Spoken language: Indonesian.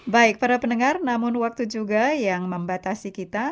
baik para pendengar namun waktu juga yang membatasi kita